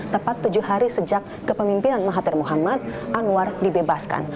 tepat tujuh hari sejak kepemimpinan mahathir muhammad anwar dibebaskan